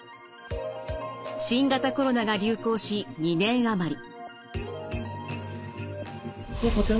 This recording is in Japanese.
新型コロナが流行し２年余り。